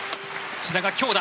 志田が強打。